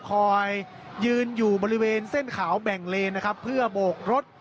คอยยืนอยู่บริเวณเส้นขาวแบ่งเลนนะครับเพื่อโบกรถ